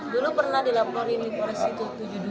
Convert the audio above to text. dulu pernah dilaporin di polisi dua ratus tujuh puluh dua